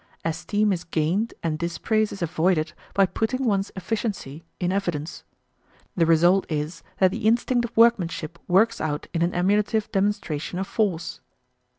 Esteem is gained and dispraise is avoided by putting one's efficiency in evidence. The result is that the instinct of workmanship works out in an emulative demonstration of force.